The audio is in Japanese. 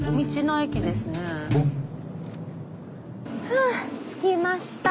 はあ着きました。